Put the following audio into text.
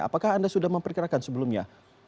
apakah anda sudah memperkirakan sebelumnya